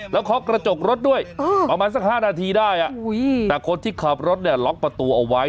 แล้วเคาะกระจกรถด้วยประมาณสัก๕นาทีได้แต่คนที่ขับรถเนี่ยล็อกประตูเอาไว้